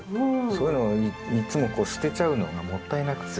そういうのをいっつもこう捨てちゃうのがもったいなくて。